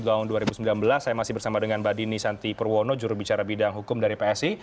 saya masih bersama dengan mbak dini santi purwono jurubicara bidang hukum dari psi